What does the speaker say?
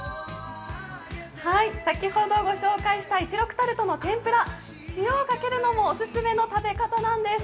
先ほど御紹介した一六タルトの天ぷら塩をかけるのもお勧めの食べ方なんです。